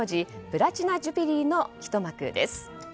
プラチナ・ジュビリーのひと幕です。